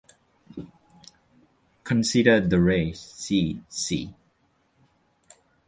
Consider the rays "C" "C".